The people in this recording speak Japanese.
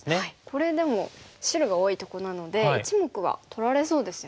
これでも白が多いとこなので１目は取られそうですよね。